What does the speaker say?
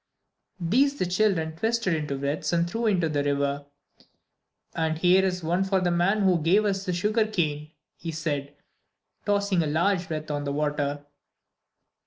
These the children twisted into wreaths and threw into the river. "And here is one for the man who gave us the sugar cane," he said, tossing a large wreath on the water.